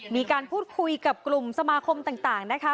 มีการพูดคุยกับกลุ่มสมาคมต่างนะคะ